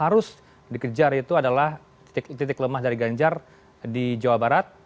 harus dikejar itu adalah titik lemah dari ganjar di jawa barat